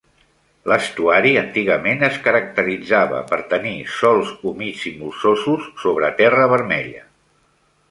L'estuari antigament es caracteritzava per tenir sòls humits i molsosos sobre terra vermella.